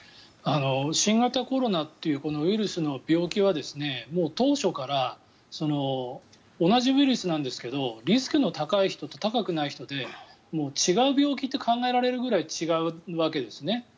新型コロナというこのウイルスの病気は当初から同じウイルスなんですけどリスクの高い人と高くない人で違う病気と考えられるぐらい違うわけですね。